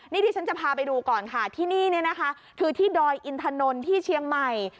นี่ที่ฉันจะพาไปดูก่อนค่ะที่นี่เนี่ยนะคะคือที่ดอยอินถนนที่เชียงใหม่